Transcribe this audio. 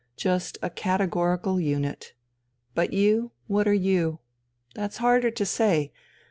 Just a categorical unit. But you? What are you? That's harder to say....